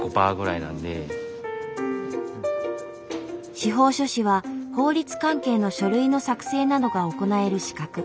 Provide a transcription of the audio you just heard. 司法書士は法律関係の書類の作成などが行える資格。